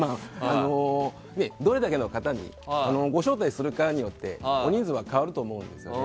どれだけの方をご招待するかによって人数は変わると思うんですよね。